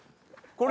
これ！